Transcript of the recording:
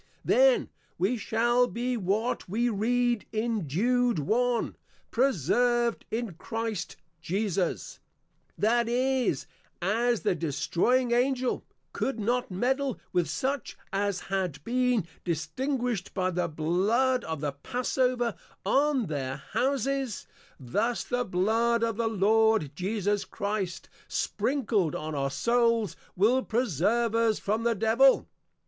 Then we shall be, what we read in Jude 1. Preserved in Christ Jesus: That is, as the Destroying Angel, could not meddle with such as had been distinguished, by the Blood of the Passeover on their Houses: Thus the Blood of the Lord Jesus Christ, Sprinkled on our Souls, will Preserve us from the Devil.